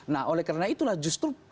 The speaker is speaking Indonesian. nah oleh karena itulah justru